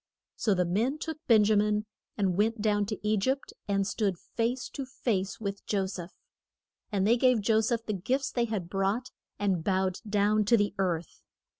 So the men took Ben ja min and went down to E gypt, and stood face to face with Jo seph. And they gave Jo seph the gifts they had brought, and bowed down to the earth.